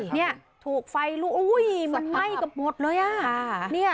นี่ถูกไฟมันไหม้กระปุดเลย